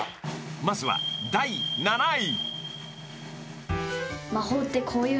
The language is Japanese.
［まずは第７位］